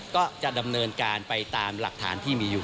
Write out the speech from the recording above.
ก็จะดำเนินการไปตามหลักฐานที่มีอยู่